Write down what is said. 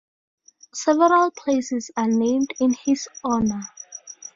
Several places are named in his honor.